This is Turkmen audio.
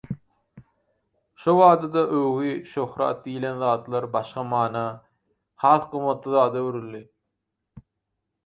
Şobada-da „öwgi“, „şöhrat“ diýilen zatlar başga mana, has gymmatly zada öwrüldi.